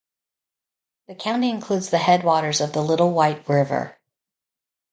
The county includes the headwaters of the Little White River.